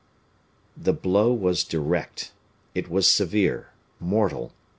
The blow was direct. It was severe, mortal.